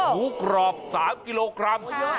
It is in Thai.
หมูกรอบ๓กิโลกรัม